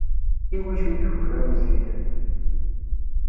I wacu i ikukra Meẓyan?